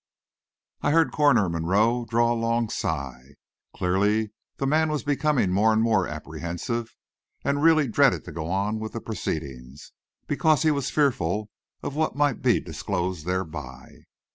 I heard Coroner Monroe draw a long sigh. Clearly, the man was becoming more and more apprehensive, and really dreaded to go on with the proceedings, because he was fearful of what might be disclosed thereby.